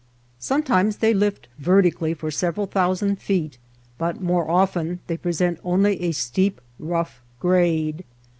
Sometimes they lift vertically for several thousand feet, but more often they present only a steep rough grade.